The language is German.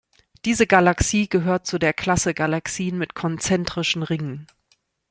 Diese Galaxie gehört zu der Klasse Galaxien mit konzentrischen Ringen.